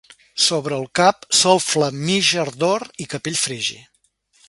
Sobre el cap, sol flamíger d'or i capell frigi.